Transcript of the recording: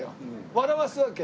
笑わすわけ。